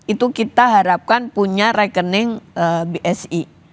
itu kita harapkan punya rekening bsi